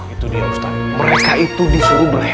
itu dia ustaz mereka itu disuruh berantakan